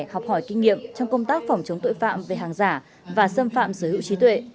học hỏi kinh nghiệm trong công tác phòng chống tội phạm về hàng giả và xâm phạm sở hữu trí tuệ